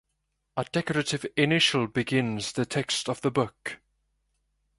A decorative initial begins the text of the book.